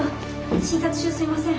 診察中すいません。